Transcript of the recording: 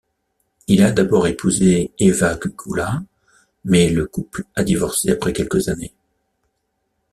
Il a d'abord épousé Ewa Kukuła, mais le couple a divorcé après quelques années.